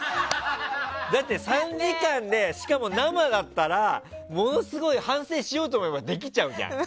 だって３時間でしかも生だったらものすごい反省しようと思えばできちゃうじゃん。